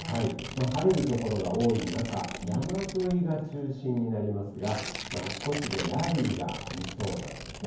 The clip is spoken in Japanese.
晴れる所が多い中、山沿いが中心になりますが、あちこちで雷雨がありそうなんですね。